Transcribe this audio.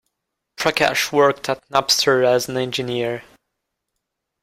Prakash worked at Napster as an engineer.